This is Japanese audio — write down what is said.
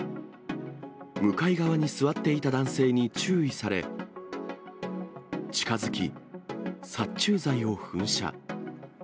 向かい側に座っていた男性に注意され、近づき、殺虫剤を噴射。